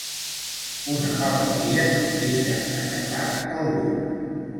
Una malaltia, deixar aixafat algú.